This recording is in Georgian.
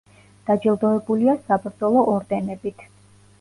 დაჯილდოებულია საბრძოლო ორდენებით.